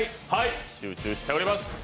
集中しております。